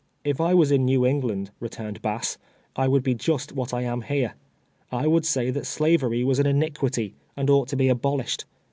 "If I was in ISTew England," returned Bass, "I would be just what I am here. I would say that Slavery was an iniquity, and ouglit to be abolished.